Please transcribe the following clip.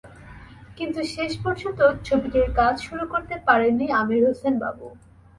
কিন্তু শেষ পর্যন্ত ছবিটির কাজ শুরু করতে পারেননি আমির হোসেন বাবু।